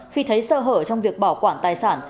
khi thấy sơ hở trong việc bảo quản tài sản